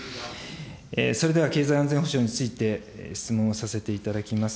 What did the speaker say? それでは経済安全保障について質問をさせていただきます。